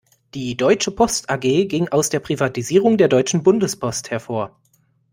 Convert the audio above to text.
Die deutsche Post A-G ging aus der Privatisierung der deutschen Bundespost hervor.